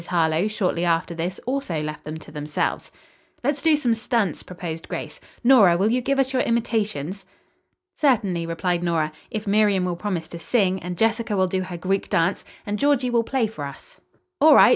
Harlowe shortly after this also left them to themselves. "Let's do some stunts," proposed Grace. "Nora, will you give us your imitations?" "Certainly," replied Nora, "if Miriam will promise to sing, and Jessica will do her Greek dance, and Georgie will play for us." "All right!"